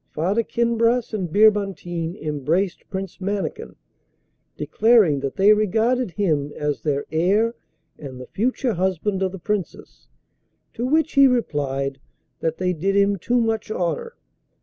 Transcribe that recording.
Farda Kinbras and Birbantine embraced Prince Mannikin, declaring that they regarded him as their heir and the future husband of the Princess, to which he replied that they did him too much honour.